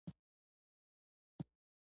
ابادي د چا دنده ده؟